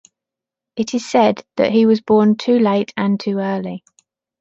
It is said, that he was born too late and too early.